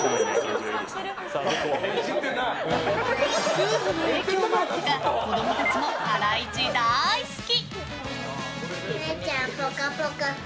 夫婦の影響もあってか子供たちもハライチ大好き！